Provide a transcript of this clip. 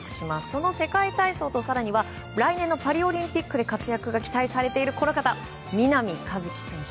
その世界体操と更には来年のパリオリンピックで活躍が期待されているこの方、南一輝選手。